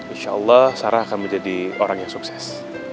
insya allah sarah akan menjadi orang yang sukses